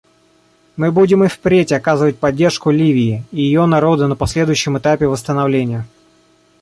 Мы будем и впредь оказывать поддержку Ливии и ее народу на последующем этапе восстановления.